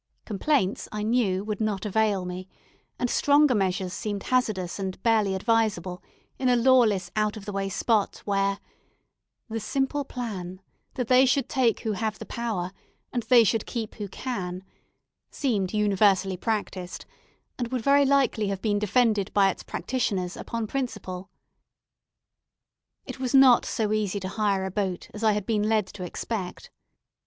Complaints, I knew, would not avail me, and stronger measures seemed hazardous and barely advisable in a lawless out of the way spot, where "The simple plan, That they should take who have the power, And they should keep who can," seemed universally practised, and would very likely have been defended by its practitioners upon principle. It was not so easy to hire a boat as I had been led to expect.